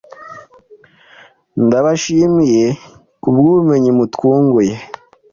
ndabashimiye kubwubumenyi mutwunguye